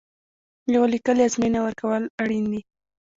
یوه لیکلې ازموینه ورکول اړین دي.